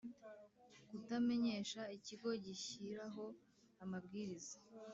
Kutamenyesha Ikigo gishyiraho amabwiriza